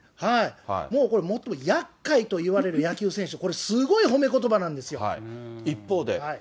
もうこれ、最も厄介といわれる野球選手、これ、すごい褒めことばなんですよ。